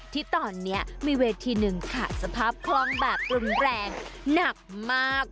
ที่ตอนนี้มีเวทีหนึ่งขาดสภาพคล่องแบบรุนแรงหนักมาก